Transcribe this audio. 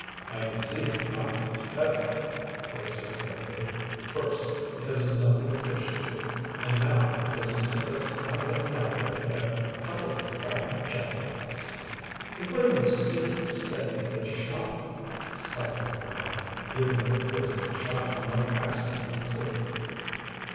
"I can see him laughing his head off," Rick said bitterly. "First, because of dumping the fish scoop, and now because he sent us hightailing out of there like a couple of frightened jack rabbits." "It would have been stupid to stay and get shot at," Scotty pointed out. "Even if he is a good shot, he might accidentally clip you."